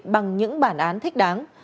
bằng những bản án thích đáng